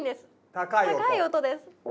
高い音です。